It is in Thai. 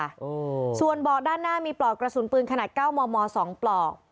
โอ้ส่วนเบาะด้านหน้ามีปลอกกระสุนปืนขนาดเก้ามอมอสองปลอก